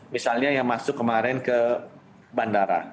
misalnya yang masuk kemarin ke bandara